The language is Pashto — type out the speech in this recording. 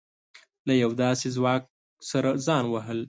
له يوه داسې ځواک سره ځان وهل.